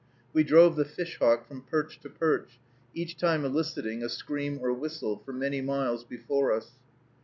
We drove the fish hawk from perch to perch, each time eliciting a scream or whistle, for many miles before us.